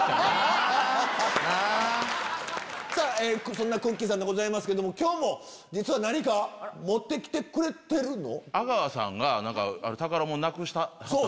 そんなくっきー！さんですけども今日も実は何か持って来てくれてるの？